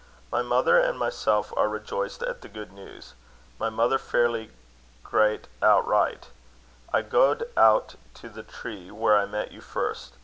My mother and I myself are rejoiced at the good news. My mother fairly grat outright. I gaed out to the tree where I met you first.